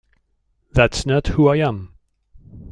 That's not who I am.